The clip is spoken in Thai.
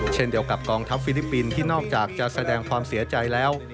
เช่นเดียวกับกองทัพฟิลิปปินส์ที่นอกจากจะแสดงความเสียใจแล้ว